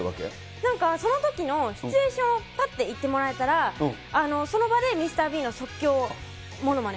なんか、そのときのシチュエーションをぱっと言ってもらえたら、その場でミスター・ビーンの即興ものまねを。